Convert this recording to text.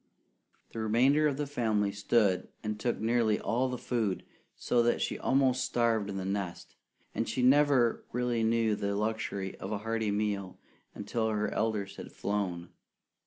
The remainder of the family stood and took nearly all the food so that she almost starved in the nest, and she never really knew the luxury of a hearty meal until her elders had flown.